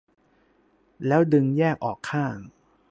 แล้วดึงแยกออกข้าง